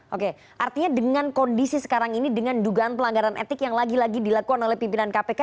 oke artinya dengan kondisi sekarang ini dengan dugaan pelanggaran etik yang lagi lagi dilakukan oleh pimpinan kpk